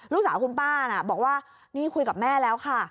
ลูกสาวคุณป้าน่ะบอกว่านี่คุยกับแม่แล้วค่ะ